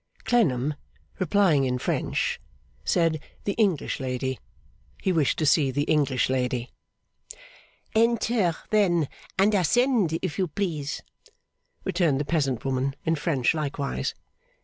Clennam, replying in French, said the English lady; he wished to see the English lady. 'Enter then and ascend, if you please,' returned the peasant woman, in French likewise.